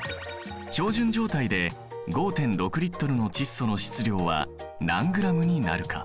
標準状態で５．６Ｌの窒素の質量は何ｇになるか？